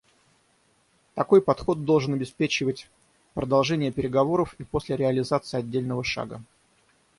Такой подход должен обеспечивать продолжение переговоров и после реализации отдельного шага.